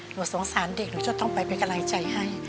หนูสงสารเด็กหนูจะต้องไปเป็นกำลังใจให้